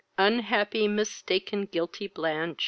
Unhappy, mistaken, guilty Blanch!